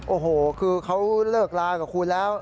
โอ้โหคือเขาเลิกลากับคุณแล้ว